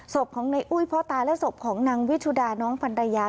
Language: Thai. ศพของในอุ้ยพ่อตาและศพของนางวิชุดาน้องพันรยา